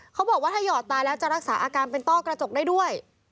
เขาบอกว่าถ้าหยอดตายแล้วจะรักษาอาการเป็นต้อกระจกได้ด้วย